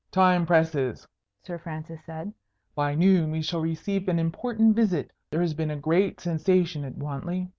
"Time presses," Sir Francis said. "By noon we shall receive an important visit. There has been a great sensation at Wantley.